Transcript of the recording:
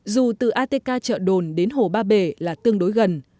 dù từ atk chợ đồn đến hồ ba bể là tương đối gần